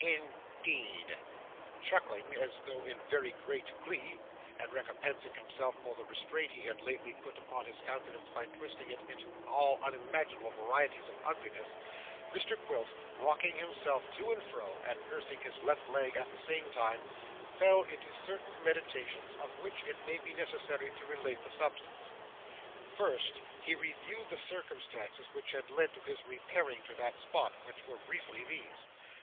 In deed!' Chuckling as though in very great glee, and recompensing himself for the restraint he had lately put upon his countenance by twisting it into all imaginable varieties of ugliness, Mr Quilp, rocking himself to and fro in his chair and nursing his left leg at the same time, fell into certain meditations, of which it may be necessary to relate the substance. First, he reviewed the circumstances which had led to his repairing to that spot, which were briefly these.